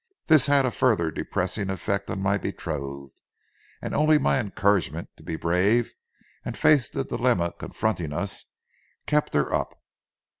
This had a further depressing effect on my betrothed, and only my encouragement to be brave and face the dilemma confronting us kept her up.